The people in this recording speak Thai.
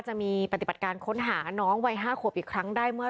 ช่วยได้แค่คนอื่นหนูหนูก็เป็นลูกหนู